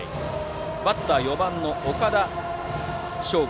バッターは４番の岡田翔豪。